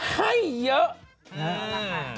ให้เยอะ